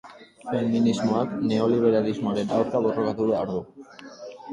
Feminismoak neoliberalismoaren aurka borrokatu behar du.